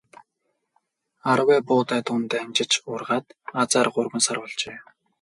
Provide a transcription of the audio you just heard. Арвай буудай дунд амжиж ургаад азаар гурван сар болжээ.